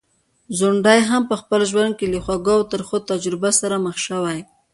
ځونډی هم په خپل ژوند کي له خوږو او ترخو تجربو سره مخ شوی.